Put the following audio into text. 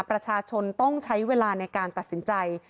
ประชาชนต้องใช้เวลาในการตัดสินใจ